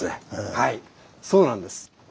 はいそうなんです。